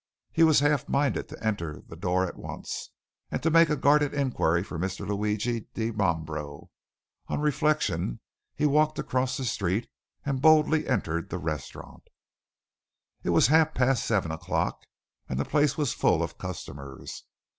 He was half minded to enter the door at once, and to make a guarded inquiry for Mr. Luigi Dimambro; on reflection he walked across the street and boldly entered the restaurant. It was half past seven o'clock, and the place was full of customers.